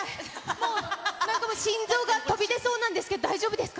もうなんか心臓が飛び出そうなんですが、大丈夫ですか？